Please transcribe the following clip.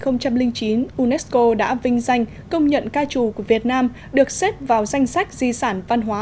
năm hai nghìn chín unesco đã vinh danh công nhận ca trù của việt nam được xếp vào danh sách di sản văn hóa